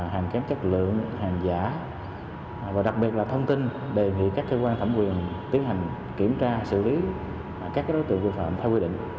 hàng kém chất lượng hàng giả và đặc biệt là thông tin đề nghị các cơ quan thẩm quyền tiến hành kiểm tra xử lý các đối tượng vi phạm theo quy định